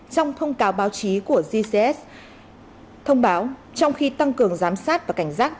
trong thông cáo báo chí của gcs thông báo trong khi tăng cường giám sát và cảnh giác